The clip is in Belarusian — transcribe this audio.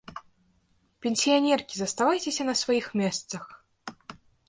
Пенсіянеркі, заставайцеся на сваіх месцах!